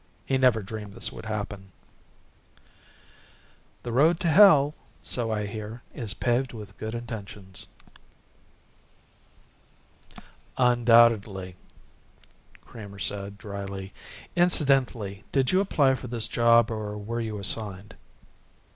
He never dreamed this would happen." "The road to hell, so I hear, is paved with good intentions." "Undoubtedly," Kramer said dryly. "Incidentally, did you apply for this job or were you assigned?"